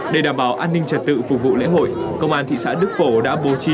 để đảm bảo an ninh trật tự phục vụ lễ hội công an thị xã đức phổ đã bố trí